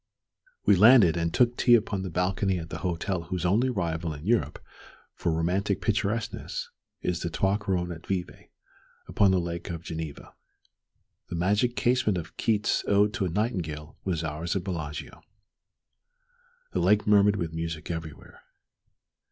We landed, and took tea upon the balcony at the hotel whose only rival in Europe for romantic picturesqueness is the Trois Couronnes at Vevey upon the Lake of Geneva. The "magic casement" of Keats's "Ode to a Nightingale" was ours at Bellagio. The lake murmured with music everywhere.